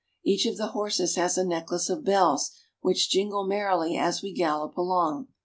Each of the horses has a necklace of bells which jingle merrily as we gallop along.